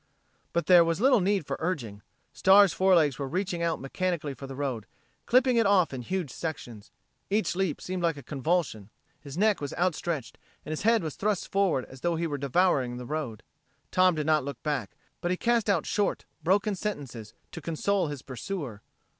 But there was little need of urging; Star's forelegs were reaching out mechanically for the road, clipping it off in huge sections. Each leap seemed like a convulsion. His neck was outstretched and his head was thrust forward as though he were devouring the road. Tom did not look back, but he cast out short, broken sentences to console his pursuer.